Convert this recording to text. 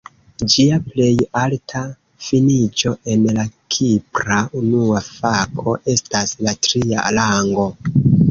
Ĝia plej alta finiĝo en la Kipra Unua Fako estas la tria rango.